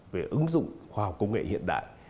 về ứng dụng khoa học công nghệ hiện đại